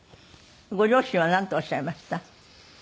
ご両親はなんとおっしゃいました？